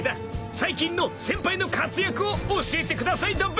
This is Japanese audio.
最近の先輩の活躍を教えてくださいだべ。